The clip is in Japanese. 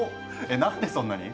え何でそんなに？